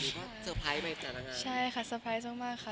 หรือว่าเซอร์ไพรส์มาจากนั้นใช่ค่ะเซอร์ไพรส์มากค่ะ